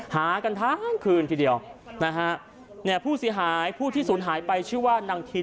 หากันทั้งคืนทีเดียวนะฮะเนี่ยผู้เสียหายผู้ที่ศูนย์หายไปชื่อว่านางทิม